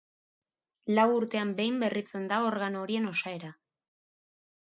Lau urtean behin berritzen da organo horien osaera.